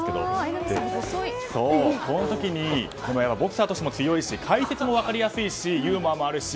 その時にボクサーとしても強いし解説も分かりやすいしユーモアもあるし。